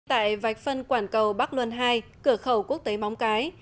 tại vạch phân quảng cầu bắc luân ii cửa khẩu quốc tế móng cái